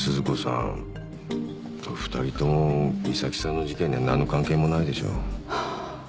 ２人とも美咲さんの事件には何の関係もないでしょう。